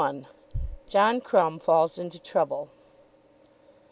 JOHN CRUMB FALLS INTO TROUBLE.